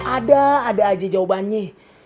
ada ada aja jawabannya